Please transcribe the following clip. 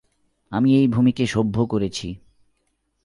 আমি এই ভুমিকে সভ্য করেছি।